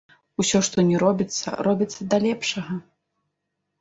Усё, што ні робіцца, робіцца да лепшага.